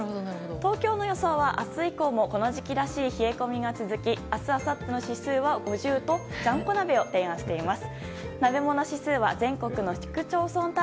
東京の予想は明日以降も冷え込みが続き明日あさっての指数は５０とちゃんこ鍋を提案しています。